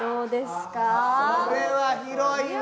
これは広いわ。